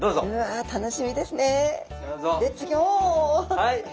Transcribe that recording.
はい。